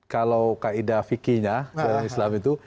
kalau kaedah fikirnya seorang islam itu